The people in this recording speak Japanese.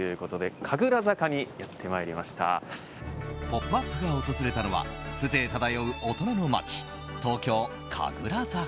「ポップＵＰ！」が訪れたのは風情漂う大人の街東京・神楽坂。